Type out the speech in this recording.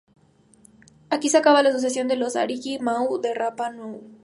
Aquí se acaba la sucesión de los ariki mau de Rapa Nui.